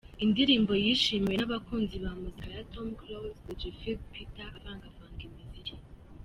" indirimbo yishimiwe n'abakunzi ba muzika ya Tom CloseDj Phil Peter avangavanga imiziki.